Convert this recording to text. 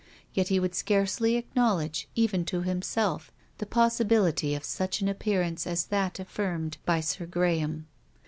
Yet he would scarcely acknowledge even to himself the possibility of such an appearance as that affirmed by Sir Graham.